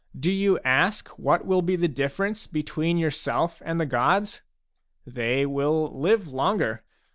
Do you ask what will be the difFerence between yourself and the gods? They will live longer.